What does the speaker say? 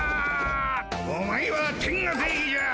お前は天国行きじゃ。